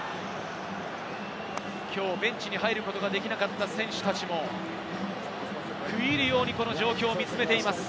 きょうベンチに入ることができなかった選手たちも食い入るように状況を見つめています。